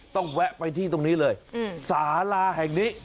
แวะไปที่ตรงนี้เลยสาลาแห่งนี้